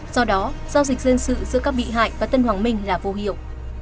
do đó giao dịch dân sự giữa các bị hại và tân hoàng minh là vô hiệu